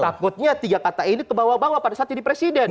takutnya tiga kata ini kebawa bawa pada saat jadi presiden